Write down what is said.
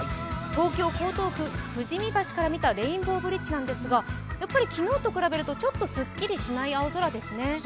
東京・江東区富士見橋から見たレインボーブリッジですが、やっぱり昨日と比べるとちょっとすっきりしない青空ですね。